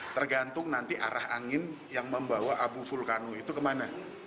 tergantung nanti arah angin yang membawa abu vulkanmu itu kemana